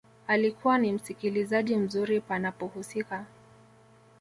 Alikuwa ni msikilizaji mzuri panapohusika